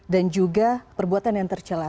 dan juga perbuatan yang tercelah